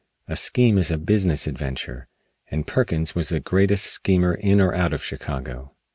A scheme is a business adventure, and Perkins was the greatest schemer in or out of Chicago.